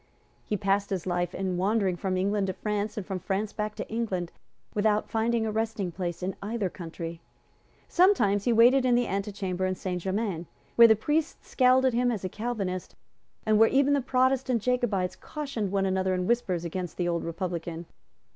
He passed his life in wandering from England to France and from France back to England, without finding a resting place in either country. Sometimes he waited in the antechamber at Saint Germains, where the priests scowled at him as a Calvinist, and where even the Protestant Jacobites cautioned one another in whispers against the old Republican.